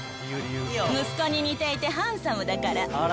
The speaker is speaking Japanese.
息子に似ていてハンサムだから。